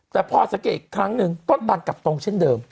แต่พอสังเกตอีกครั้งหนึ่งต้นตันกลับตรงเช่นเดิม